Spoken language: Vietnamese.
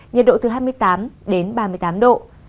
nhiệt độ từ hai mươi tám đến ba mươi tám độ